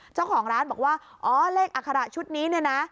เจ้าของร้านบอกว่าอ๋อเลขอัคระชุดนี้เนี่ยนะ